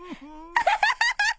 アハハハハ！